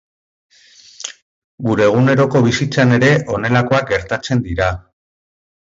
Gure eguneroko bizitzan ere honelakoak gertatzen dira.